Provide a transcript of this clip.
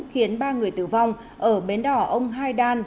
khiến ba người tử vong ở bến đỏ ông hai đan